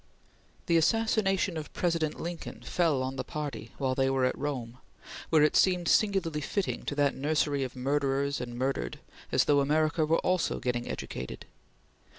The assassination of President Lincoln fell on the party while they were at Rome, where it seemed singularly fitting to that nursery of murderers and murdered, as though America were also getting educated.